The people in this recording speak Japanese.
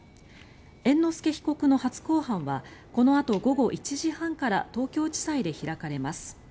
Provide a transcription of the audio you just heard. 猿之助被告の初公判はこのあと午後１時半から東京地裁で開かれます。